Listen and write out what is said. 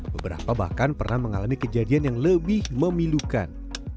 beberapa bahkan pernah mengalami kejadian yang lebih memilukan